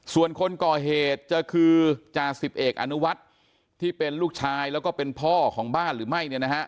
ส่วนคนก่อเหตุจะคือจ่าสิบเอกอนุวัฒน์ที่เป็นลูกชายแล้วก็เป็นพ่อของบ้านหรือไม่เนี่ยนะฮะ